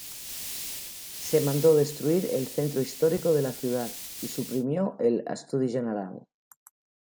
Se mandó destruir el centro histórico de la ciudad y suprimió el "Estudi General".